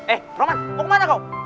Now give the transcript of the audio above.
eh roman mau kemana kau